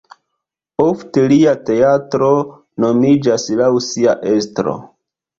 Ofte lia teatro nomiĝas laŭ sia estro.